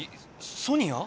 ソニア？